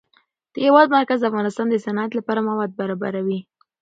د هېواد مرکز د افغانستان د صنعت لپاره مواد برابروي.